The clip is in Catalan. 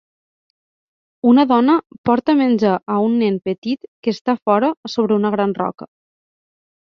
Una dona porta menjar a un nen petit que està fora sobre una gran roca.